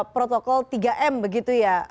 protokol tiga m begitu ya